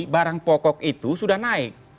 barang pokok itu sudah naik